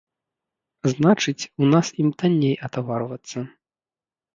Значыць, у нас ім танней атаварвацца.